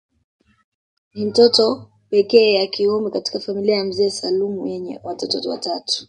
Ni mtoto pekee ya kiume katika familia ya mzee Salum yenye watoto watatu